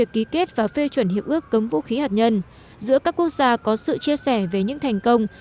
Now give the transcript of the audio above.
ký kết và phê chuẩn hiệp ước cấm vũ khí hạt nhân giữa các quốc gia có sự chia sẻ về những thành công